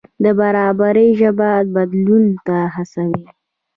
د برابرۍ ژبه بدلون ته هڅوي.